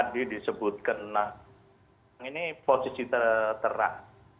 tadi disebutkan ini posisi terak